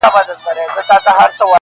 نورستان کې وکړه